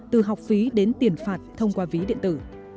từ học phí đến tiền phạt thông qua ví điện tử